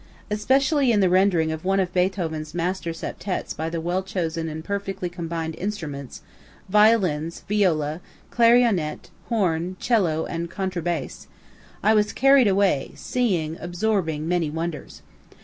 Especially in the rendering of one of Beethoven's master septettes by the well chosen and perfectly combined instruments (violins, viola, clarionet, horn, 'cello and contrabass,) was I carried away, seeing, absorbing many wonders.